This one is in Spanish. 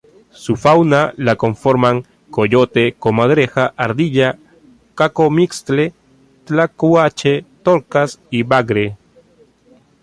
Su fauna la conforman: coyote, comadreja, ardilla, cacomixtle, tlacuache, torcaz y bagre.